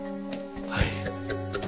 はい。